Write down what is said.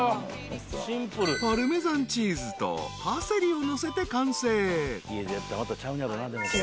［パルメザンチーズとパセリをのせて完成］